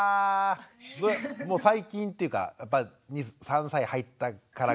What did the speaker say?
もう最近っていうかやっぱ３歳入ってからぐらい？